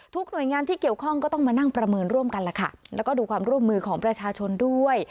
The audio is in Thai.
หน่วยงานที่เกี่ยวข้องก็ต้องมานั่งประเมินร่วมกันล่ะค่ะแล้วก็ดูความร่วมมือของประชาชนด้วย